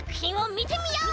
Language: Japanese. みてみよう！